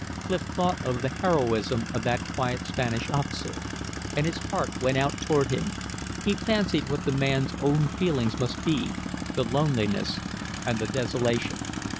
Clif thought of the heroism of that quiet Spanish officer. And his heart went out toward him. He fancied what the man's own feelings must be, the loneliness and the desolation.